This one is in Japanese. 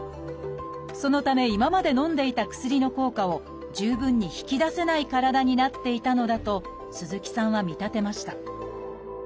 そのため今までのんでいた薬の効果を十分に引き出せない体になっていたのだと鈴木さんは見立てました